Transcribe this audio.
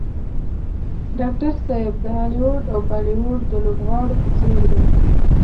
ډاکټر صاحب د هالیوډ او بالیوډ د لوبغاړو په څېر دی.